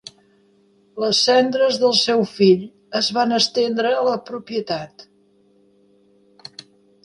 Les cendres del seu fill es van estendre a la propietat.